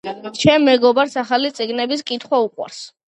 ჩემს მეგობარს ახალი წიგნების კითხვა უყვარს.